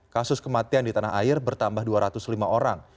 kasus kematian di tanah air bertambah dua ratus lima orang